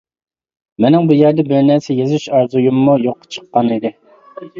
مىنىڭ بۇ يەردە بىر نەرسە يېزىش ئارزۇيۇممۇ يوققا چىققانىدى.